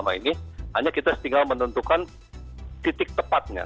hanya kita tinggal menentukan titik tepatnya